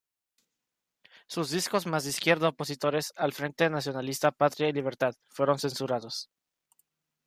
Sus discos más de izquierda, opositores al Frente Nacionalista Patria y Libertad, fueron censurados.